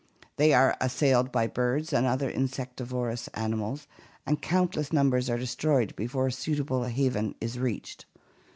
They are assailed by birds and other insectivorous creatures and countless numbers are destroyed before a suitable haven is reached.